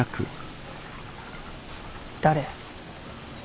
誰？